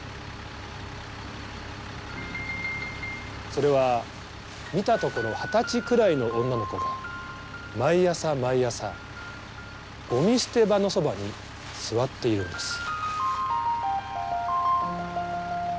それは見たところ二十歳くらいの女の子が毎朝毎朝ゴミ捨て場のそばに座っているんです。